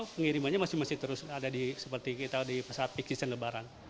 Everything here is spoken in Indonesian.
pengirimannya masih terus ada seperti kita di saat peak season lebaran